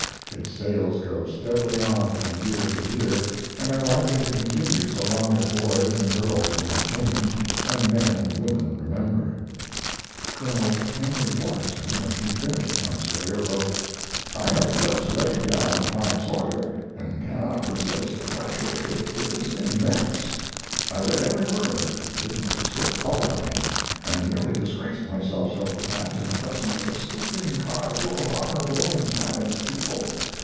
Its sales go steadily on from year to year, and are likely to continue so long as boys and girls do not change, and men and women remember. [Col. Henry Watterson, when he finished Tom Sawyer, wrote: "I have just laid down Tom Sawyer, and cannot resist the pressure. It is immense! I read every word of it, didn't skip a line, and nearly disgraced myself several times in the presence of a sleeping car full of honorable and pious people.